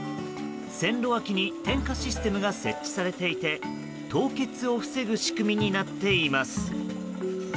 線路脇に点火システムが設置されていて凍結を防ぐ仕組みになっています。